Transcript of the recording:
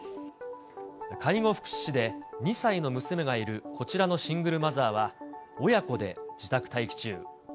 介護福祉士で２歳の娘がいるこちらのシングルマザーは、親子で自宅待機中。